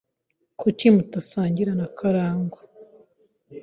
Kuki mutasangira na karangwa?